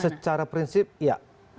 secara prinsip ya